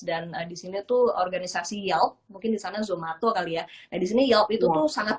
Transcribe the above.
dan disini tuh organisasi ya mungkin disana zomato kali ya ada disini iot itu tuh sangat